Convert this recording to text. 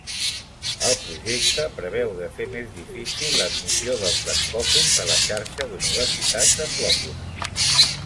El projecte preveu de fer més difícil l'admissió dels francòfons a la xarxa d'universitats anglòfones.